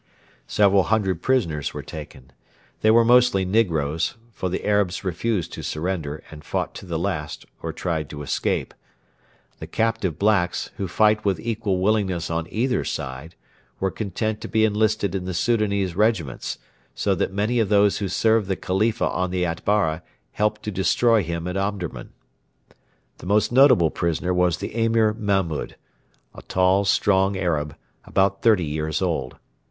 Several hundred prisoners were taken. They were mostly negroes for the Arabs refused to surrender, and fought to the last or tried to escape. The captive blacks, who fight with equal willingness on either side, were content to be enlisted in the Soudanese regiments; so that many of those who served the Khalifa on the Atbara helped to destroy him at Omdurman. The most notable prisoner was the Emir Mahmud a tall, strong Arab, about thirty years old.